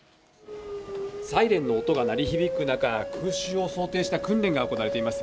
サイレンの音が鳴り響く中、空襲を想定した訓練が行われています。